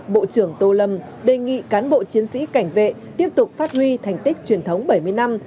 bộ trưởng tô lâm đề nghị cán bộ chiến sĩ cảnh vệ tiếp tục phát huy thành tích truyền thống bảy mươi năm